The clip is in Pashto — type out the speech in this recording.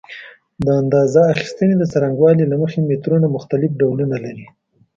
د اندازه اخیستنې د څرنګوالي له مخې مترونه مختلف ډولونه لري.